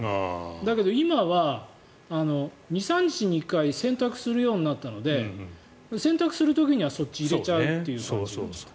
だけど、今は２３日に１回洗濯するようになったので洗濯する時にはそっち入れちゃうという感じ。